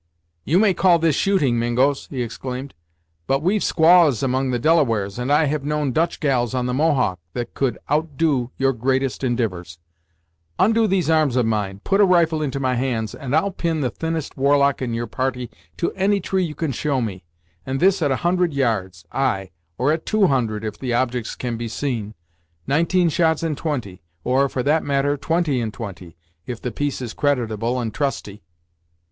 "You may call this shooting, Mingos!" he exclaimed, "but we've squaws among the Delawares, and I have known Dutch gals on the Mohawk, that could outdo your greatest indivours. Ondo these arms of mine, put a rifle into my hands, and I'll pin the thinnest warlock in your party to any tree you can show me, and this at a hundred yards ay, or at two hundred if the objects can be seen, nineteen shots in twenty; or, for that matter twenty in twenty, if the piece is creditable and trusty!"